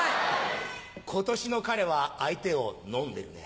今年の彼は相手をのんでるね。